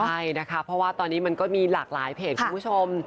ใช่นะคะเพราะว่าตอนนี้มันก็มีหลากหลายเพจคุณผู้ชม